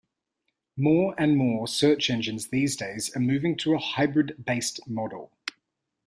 More and more search engines these days are moving to a hybrid-based model.